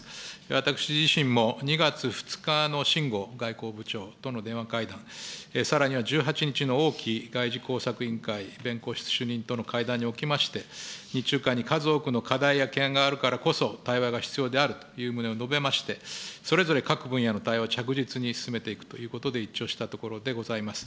私自身も２月２日の秦剛外交部長との電話会談、さらには１８日の王毅外事工作委員会室主任との会談におきまして、日中間に数多くの課題や懸案があるからこそ、対話が必要であるという旨を述べまして、それぞれ各分野の対話を着実に進めていくということで一致をしたところでございます。